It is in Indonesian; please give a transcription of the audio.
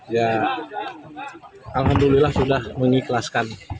ya alhamdulillah sudah mengikhlaskan